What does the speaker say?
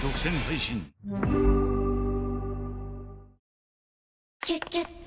「特茶」「キュキュット」